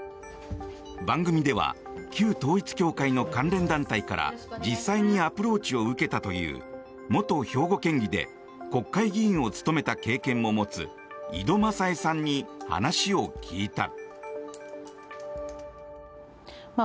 番組では旧統一教会の関連団体から実際にアプローチを受けたという元兵庫県議で国会議員を務めた経験も持つ井戸まさえさんに話を聞いた。